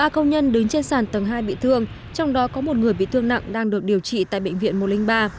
ba công nhân đứng trên sàn tầng hai bị thương trong đó có một người bị thương nặng đang được điều trị tại bệnh viện một trăm linh ba